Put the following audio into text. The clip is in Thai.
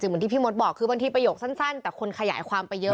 เหมือนที่พี่มดบอกคือบางทีประโยคสั้นแต่คนขยายความไปเยอะ